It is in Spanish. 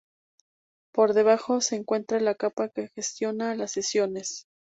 Por debajo se encuentra la capa que gestiona las sesiones.